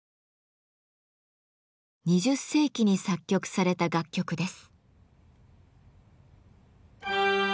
２０世紀に作曲された楽曲です。